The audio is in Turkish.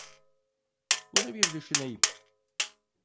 Bunu bir düşüneyim.